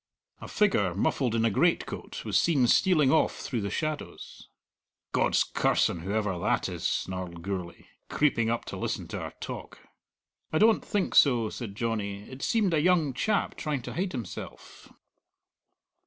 A figure, muffled in a greatcoat, was seen stealing off through the shadows. "God's curse on whoever that is," snarled Gourlay, "creeping up to listen to our talk!" "I don't think so," said Johnny; "it seemed a young chap trying to hide himself."